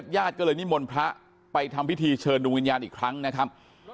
ญาติก็เลยนิมนต์พระไปทำพิธีเชิญดวงวิญญาณอีกครั้งนะครับ